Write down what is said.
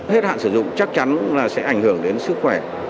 hết hạn sử dụng chắc chắn là sẽ ảnh hưởng đến sức khỏe